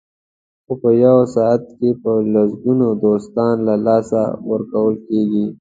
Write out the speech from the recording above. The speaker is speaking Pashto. خو په یو ساعت کې په لسګونو دوستان له لاسه ورکول کېږي.